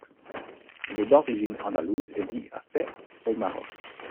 Il est d'origine andalouse et vit à Fès au Maroc.